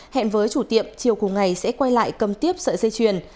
hẹn với chủ tiệm chiều cùng ngày sẽ quay lại cầm tiếp sợi dây chuyền